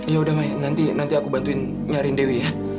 yaudah mai nanti aku bantuin nyariin tdw ya